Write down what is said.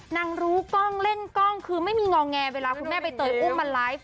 รู้กล้องเล่นกล้องคือไม่มีงอแงเวลาคุณแม่ใบเตยอุ้มมาไลฟ์